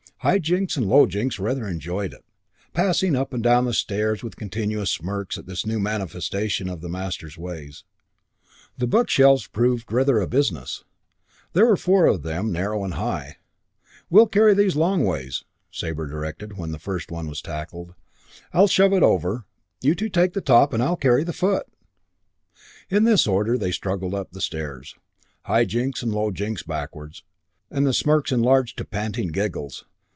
High Jinks and Low Jinks rather enjoyed it, passing up and down the stairs with continuous smirks at this new manifestation of the master's ways. The bookshelves proved rather a business. There were four of them, narrow and high. "We'll carry these longways," Sabre directed, when the first one was tackled. "I'll shove it over. You two take the top, and I'll carry the foot." In this order they struggled up the stairs, High Jinks and Low Jinks backwards, and the smirks enlarged into panting giggles.